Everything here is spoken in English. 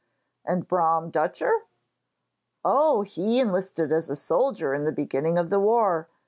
'And Brom Dutcher?' 'Oh, he enlisted as a soldier in the beginning of the war.